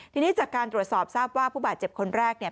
ทีนี้จากการตรวจสอบทราบว่าผู้บาดเจ็บคนแรกเนี่ย